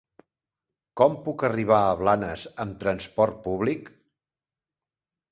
Com puc arribar a Blanes amb trasport públic?